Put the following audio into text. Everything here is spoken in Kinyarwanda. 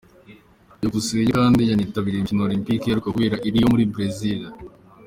Byukusenge kandi yanitabiriye imikino Olempike iheruka kubera i Rio muri Brezil.